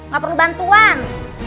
gak perlu bantuan